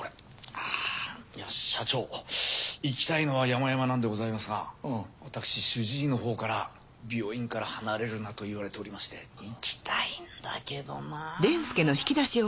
あぁ社長行きたいのはやまやまなんでございますが私主治医のほうから病院から離れるなと言われておりまして行きたいんだけどな。